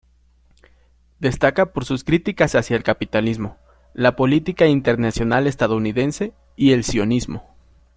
Destaca por sus críticas hacia el capitalismo, la política internacional estadounidense y el sionismo.